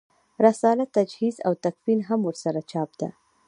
رساله تجهیز او تکفین هم ورسره چاپ ده.